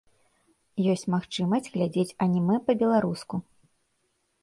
Ёсць магчымасць глядзець анімэ па-беларуску.